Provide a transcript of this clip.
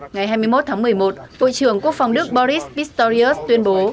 ngày hai mươi một tháng một mươi một bộ trưởng quốc phòng đức boris bistorius tuyên bố